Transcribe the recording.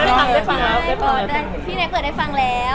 พี่เล็กเปิดได้ฟังแล้ว